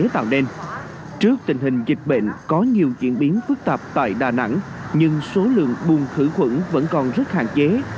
trước tình hình dịch bệnh có nhiều diễn biến phức tạp tại đà nẵng nhưng số lượng bùng khử khuẩn vẫn còn rất hạn chế